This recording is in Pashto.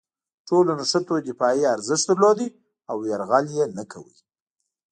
ټولو نښتو دفاعي ارزښت درلود او یرغل یې نه کاوه.